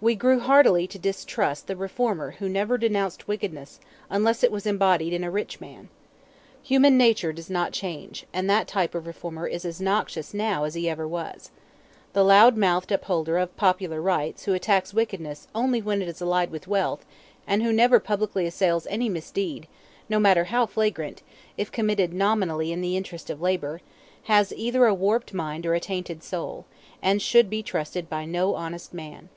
We grew heartily to distrust the reformer who never denounced wickedness unless it was embodied in a rich man. Human nature does not change; and that type of "reformer" is as noxious now as he ever was. The loud mouthed upholder of popular rights who attacks wickedness only when it is allied with wealth, and who never publicly assails any misdeed, no matter how flagrant, if committed nominally in the interest of labor, has either a warped mind or a tainted soul, and should be trusted by no honest man.